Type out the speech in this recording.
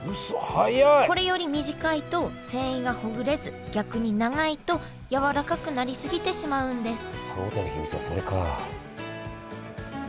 これより短いと繊維がほぐれず逆に長いとやわらかくなりすぎてしまうんです